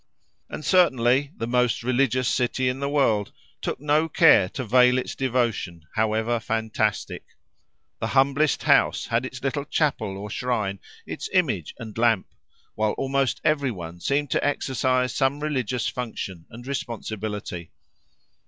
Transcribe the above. And certainly "the most religious city in the world" took no care to veil its devotion, however fantastic. The humblest house had its little chapel or shrine, its image and lamp; while almost every one seemed to exercise some religious function and responsibility.